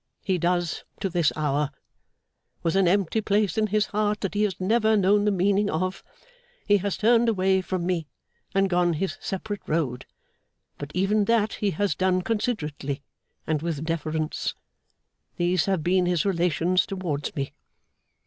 He does to this hour. With an empty place in his heart that he has never known the meaning of, he has turned away from me and gone his separate road; but even that he has done considerately and with deference. These have been his relations towards me.